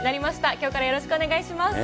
きょうからよろしくお願いします。